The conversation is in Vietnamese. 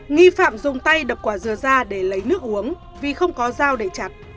nghi phạm dùng tay đập quả dừa ra để lấy nước uống vì không có dao để chặt